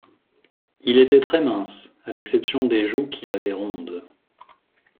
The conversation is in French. Il était très mince, à l’exception des joues qu’il avait rondes